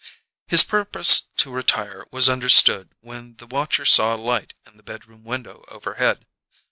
His purpose to retire was understood when the watcher saw a light in the bedroom window overhead.